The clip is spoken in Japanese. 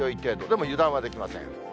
でも油断はできません。